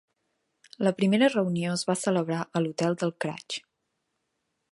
La primera reunió es va celebrar a l'hotel del Craig.